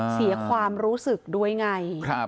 เสียความรู้สึกด้วยไง